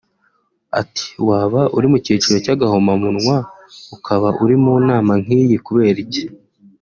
Ati “Waba uri mu cyiciro cy’agahomamunwa ukaba uri mu nama nk’iyi kubera iki